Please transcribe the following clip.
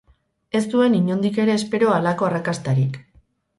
Ez zuen inondik ere espero halako arrakastarik.